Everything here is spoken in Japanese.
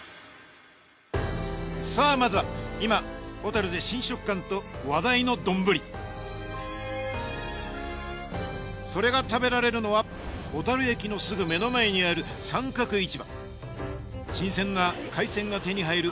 さあまずは今小樽で新食感と話題の丼それが食べられるのは小樽駅のすぐ目の前にある新鮮な海鮮が手に入る